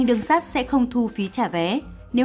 nếu hành khách không đi tàu nữa